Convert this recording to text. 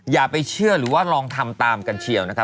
อย่าไปเชื่อหรือว่าลองทำตามกันเชียวนะครับ